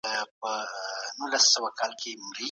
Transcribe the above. ګڼل کيږي او د نړۍ پنځم ستر اقتصادي قدرت بلل کيږي.